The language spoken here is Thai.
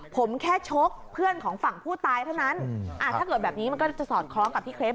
ผมแค่ชกเพื่อนของฝั่งผู้ตายเท่านั้นถ้าเกิดแบบนี้มันก็จะสอดคล้องกับพี่เครส